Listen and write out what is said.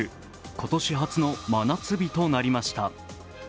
今年初の真夏日となりました。